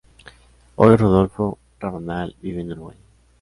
Hoy Rodolfo Rabanal vive en Uruguay.